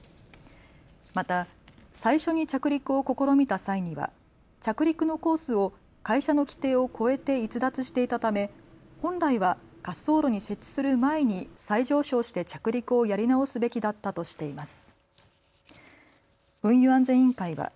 また最初に着陸を試みた際には着陸のコースを会社の規定を超えて逸脱していたため本来は滑走路に接地する前に再上昇して着陸をやり直すべきだったとしています。